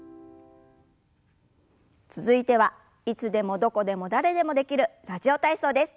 続いてはいつでもどこでも誰でもできる「ラジオ体操」です。